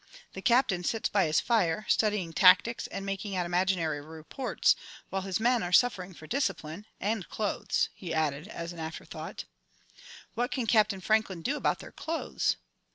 The Captain sits by his fire, studying tactics and making out imaginary reports, while his men are suffering for discipline and clothes," he added as an afterthought. "What can Captain Franklin do about their clothes?"